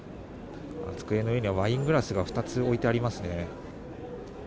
机の上にはワイングラスが２つ置いてありますね。